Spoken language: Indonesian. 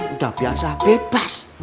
udah biasa bebas